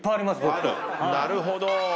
なるほど。